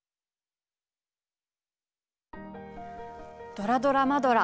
「ドラドラマドラ！